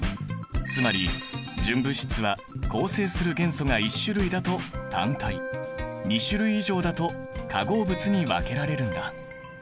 つまり純物質は構成する元素が１種類だと単体２種類以上だと化合物に分けられるんだ。